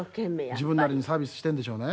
自分なりにサービスしてるんでしょうね。